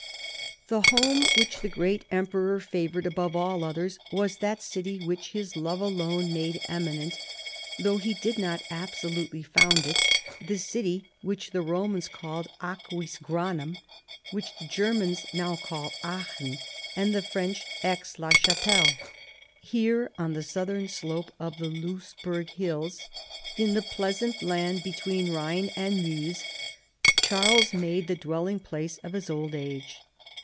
The home which the great emperor favored above all others was that city which his love alone made eminent, though he did not absolutely found it, the city which the Romans called Aquisgranum, which the Germans now call Aachen, and the French Aix la Chapelle. Here, on the southern slope of the Lousberg hills, in the pleasant land between Rhine and Meuse, Charles made the dwelling place of his old age.